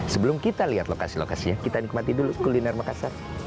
sebelum kita lihat lokasi lokasinya kita nikmati dulu kuliner makassar